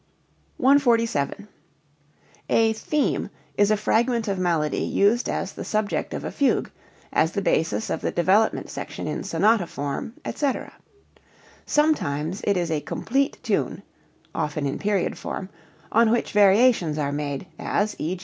147. A theme is a fragment of melody used as the subject of a fugue, as the basis of the development section in "sonata form," etc. Sometimes it is a complete tune (often in period form), on which variations are made, as _e.